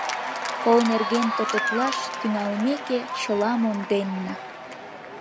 Кол нерген тототлаш тӱҥалмеке, чыла монденна.